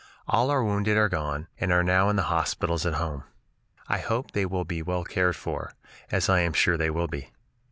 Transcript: All our wounded are gone, and are now in the hospitals at home. I hope they will be well cared for, as I am sure they will be.